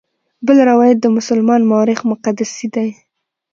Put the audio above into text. بل روایت د مسلمان مورخ مقدسي دی.